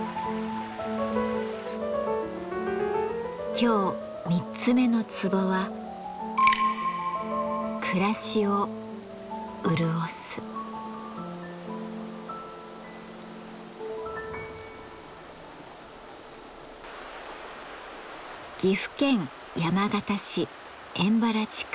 今日３つ目の壺は岐阜県山県市円原地区。